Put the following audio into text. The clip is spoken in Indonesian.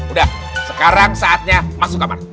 udah sekarang saatnya masuk kamar